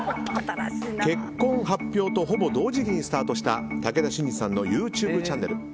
結婚発表とほぼ同時期にスタートした武田真治さんのＹｏｕＴｕｂｅチャンネル。